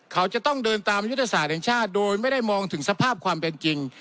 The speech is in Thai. เขาจะต้องเดินตามยุทธศาสตร์แห่งชาติโดยไม่ได้มองถึงสภาพความเป็นจริง